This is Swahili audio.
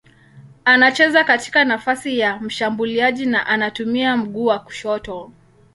Anacheza katika nafasi ya mshambuliaji na anatumia mguu wa kushoto.